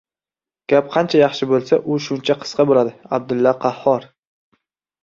Gap qancha yaxshi bo‘lsa, u shuncha qisqa bo‘ladi. Abdulla Qahhor